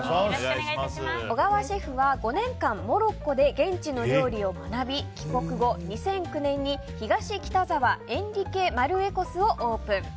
小川シェフは５年間モロッコで現地の料理を学び帰国後、２００９年東北沢にエンリケマルエコスをオープン。